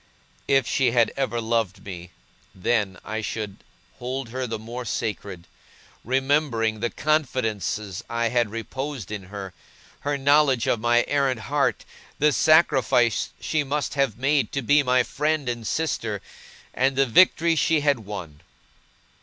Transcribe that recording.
If she had ever loved me, then, I should hold her the more sacred; remembering the confidences I had reposed in her, her knowledge of my errant heart, the sacrifice she must have made to be my friend and sister, and the victory she had won.